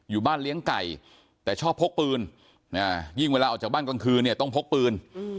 อยู่บ้านเลี้ยงไก่แต่ชอบพกปืนยิ่งเวลาออกจากบ้านกลางคืนเนี่ยต้องพกปืน